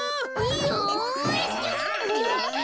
よし！